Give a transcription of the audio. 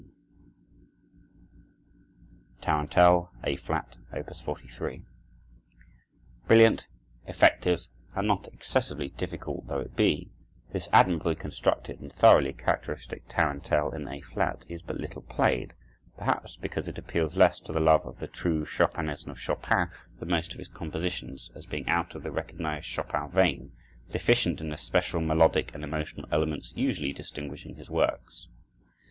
Chopin: Tarantelle, A Flat, Op. 43 Brilliant, effective, and not excessively difficult though it be, this admirably constructed and thoroughly characteristic tarantelle in A flat is but little played; perhaps because it appeals less to the love of the "true Chopinism of Chopin" than most of his compositions, as being out of the recognized Chopin vein, deficient in the special melodic and emotional elements usually distinguishing his works.